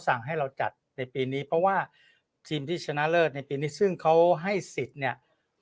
สั่งให้เราจัดในปีนี้เพราะว่าทีมที่ชนะเลิศในปีนี้ซึ่งเขาให้สิทธิ์เนี่ย